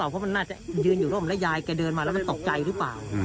โอ้แต่มันยุ่งผมขายไปนานแล้วมีคน